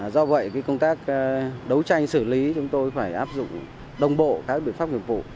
do vậy công tác đấu tranh xử lý chúng tôi phải áp dụng đồng bộ các biện pháp nghiệp vụ